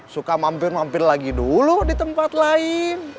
suka mampir mampir lagi dulu di tempat lain